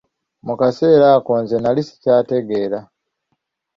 Mu kaseera ako, nze nali sikyategeera.